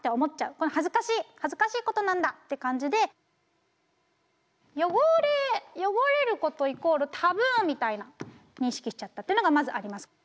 この恥ずかしい恥ずかしいことなんだって感じで汚れ汚れることイコールタブーみたいな認識しちゃったっていうのがまずあります。